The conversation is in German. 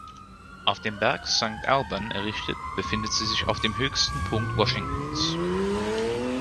Auf dem Berg St. Alban errichtet, befindet sie sich auf dem höchsten Punkt Washingtons.